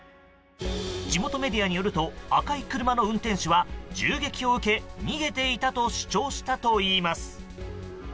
地元メディアによると赤い車の運転手は銃撃を受け、逃げていたと主張したといいます。